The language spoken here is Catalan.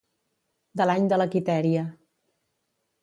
De l'any de la Quitèria.